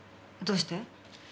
どうして？